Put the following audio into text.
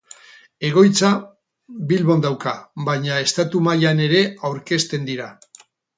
Egoitza Bilbon dauka, baina estatu mailan ere aurkezten dira.